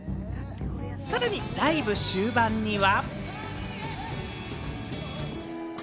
さらにライブ終盤には。